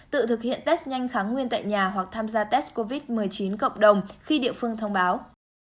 tự thực hiện test nhanh kháng nguyên tại nhà hoặc tham gia test covid một mươi chín cộng đồng khi địa phương thông báo